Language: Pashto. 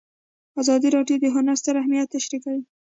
ازادي راډیو د هنر ستر اهميت تشریح کړی.